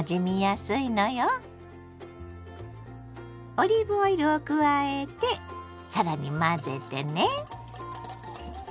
オリーブオイルを加えて更に混ぜてね。